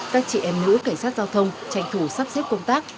các chị em nữ cảnh sát giao thông tranh thủ sắp xếp công tác